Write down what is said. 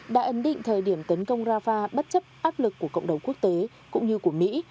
đã ấn định thời điểm tấn công rafah bất chấp áp lực của cộng đồng quốc tế cũng như của mỹ